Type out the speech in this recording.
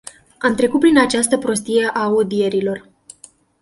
Am trecut prin această prostie a audierilor.